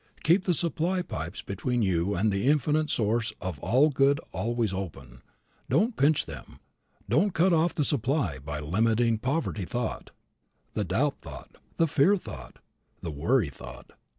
Keep the supply pipes between you and the Infinite Source of all good always open. Don't pinch them. Don't cut off the supply by the limiting poverty thought, the doubt thought, the fear thought, the worry thought.